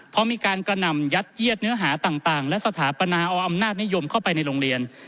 เพราะมีการกระหน่ำยัดเยียดเนื้อหาต่างและสถาปนาเอาอำนาจนิยมเข้าไปในโรงเรียน